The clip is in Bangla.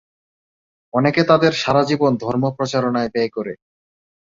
অনেকে তাদের সারা জীবন ধর্মপ্রচারণায় ব্যয় করে।